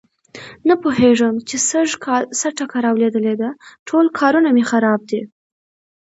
نه پوهېږم چې سږ کل څه ټکه را لوېدلې ټول کارونه مې خراب دي.